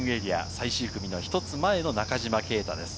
最終組の１つ前の中島啓太です。